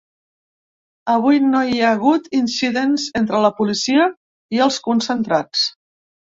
Avui no hi ha hagut incidents entre la policia i els concentrats.